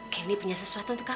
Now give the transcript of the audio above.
candy punya sesuatu untuk kamu